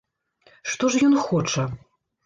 Што ж ён хоча?